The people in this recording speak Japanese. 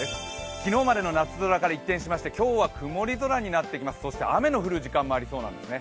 昨日までの夏空から一転しまして曇り空にそして雨の降る時間もありそうなんですね。